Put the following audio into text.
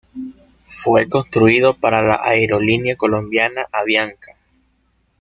Fue construido para la aerolínea colombiana Avianca.